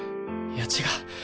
いや違う！